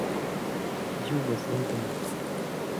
Div eizvedenn.